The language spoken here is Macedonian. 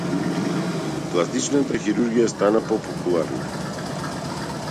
Пластичната хирургија стана попопуларна.